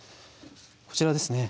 こちらですね。